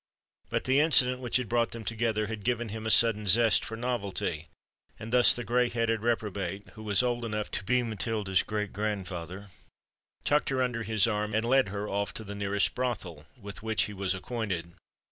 But the incident which had brought them together had given him a sudden zest for novelty; and thus the gray headed reprobate, who was old enough to be Matilda's great grandfather, tucked her under his arm and led her off to the nearest brothel with which he was acquainted.